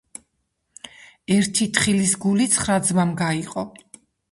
ერთი თხილის გული, ცხრა ძმამ გაიყო